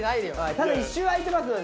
ただ１週空いてますので。